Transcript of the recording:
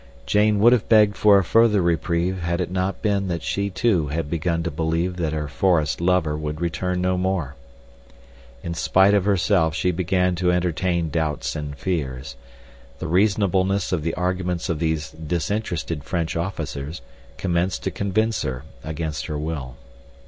Jane would have begged for a further reprieve, had it not been that she too had begun to believe that her forest lover would return no more. In spite of herself she began to entertain doubts and fears. The reasonableness of the arguments of these disinterested French officers commenced to convince her against her will.